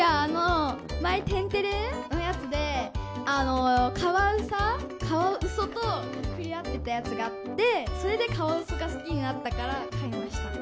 前「天てれ」のやつでカワウソと触れ合ってたやつがあってそれでカワウソが好きになったから買いました。